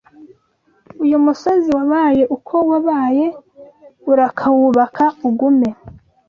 Uyu musozi wabaye uko wabaye Urakawubaka ugume